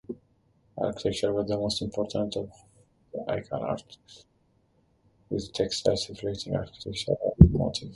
Architecture was the most important of the Incan arts, with textiles reflecting architectural motifs.